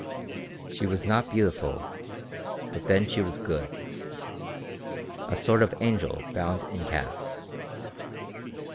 She was not beautiful, but then she was good a sort of angel bound in calf.